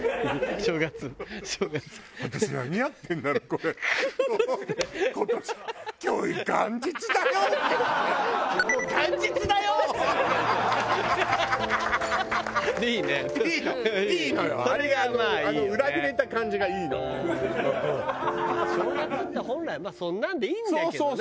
正月って本来まあそんなんでいいんだけどね。